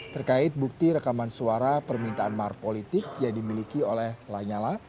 terkait bukti rekaman suara permintaan mahar politik yang dimiliki oleh lanyala